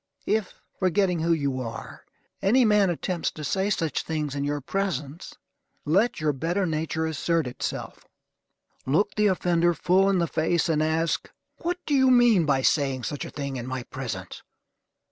If, forgetting who you are, any man attempts to say such things in your presence, let your better nature assert itself, look the offender full in the face, and ask "What do you mean by saying such a thing in my presence!"